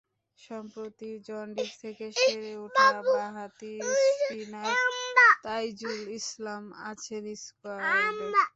সম্প্রতি জন্ডিস থেকে সেরে ওঠা বাঁহাতি স্পিনার তাইজুল ইসলাম আছেন স্কোয়াডে।